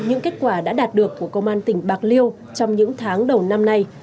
những kết quả đã đạt được của công an tỉnh bạc liêu trong những tháng đầu năm nay